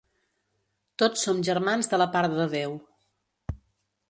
Tots som germans de la part de Déu.